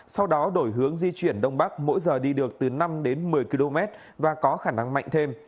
sau đó đổi hướng di chuyển đông bắc mỗi giờ đi được từ năm đến một mươi km và có khả năng mạnh thêm